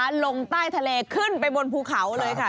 ลงใต้ทะเลขึ้นไปบนภูเขาเลยค่ะ